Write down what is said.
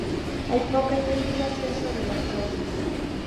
Hay poca investigación sobre las causas.